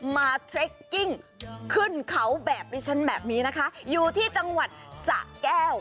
มาเทร็คกี้งขึ้นเขาแบบนี้ชั้นแบบน้อยอยู่ที่จังหวัดสะแก้ว